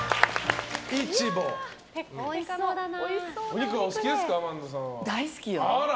お肉はお好きですか、萬田さん。